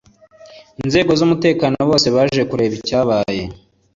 inzego z’umutekano bose baje kureba icyabaye